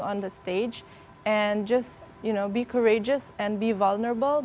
untuk diperlihatkan oleh semua orang di media sosial